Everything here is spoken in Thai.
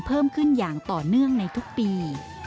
เพิ่มขึ้นอย่างต่อเนื่องในทุกปี